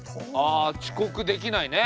あ遅刻できないね。